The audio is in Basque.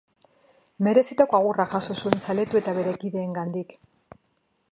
Merezitako agurra jaso zuen zaletu eta bere kideengandik.